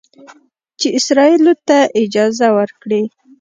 چې اسرائیلو ته اجازه ورکړي